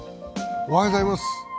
おはようございます。